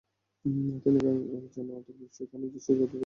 তিনি একজন আতর ব্যবসায়ী এবং তাঁর নিজের শিক্ষাগত যোগ্যতা নিয়ে অনেকেই সন্দিহান।